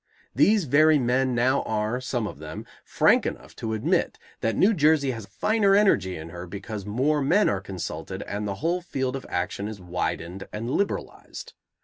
These very men now are, some of them, frank enough to admit that New Jersey has finer energy in her because more men are consulted and the whole field of action is widened and liberalized.